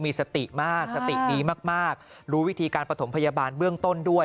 มีสติมากสติดีมากรู้วิธีการประถมพยาบาลเบื้องต้นด้วย